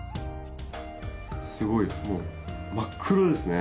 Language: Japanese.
すごいもう真っ黒ですね。